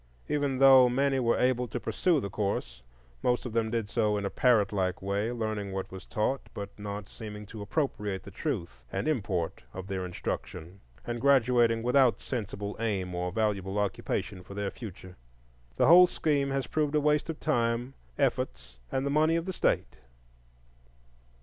Even though many were able to pursue the course, most of them did so in a parrot like way, learning what was taught, but not seeming to appropriate the truth and import of their instruction, and graduating without sensible aim or valuable occupation for their future. The whole scheme has proved a waste of time, efforts, and the money of the state."